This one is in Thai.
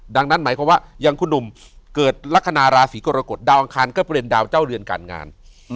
ดังนั้นหมายความว่าอย่างคุณหนุ่มเกิดลักษณะราศีกรกฎดาวอังคารก็เป็นดาวเจ้าเรือนการงาน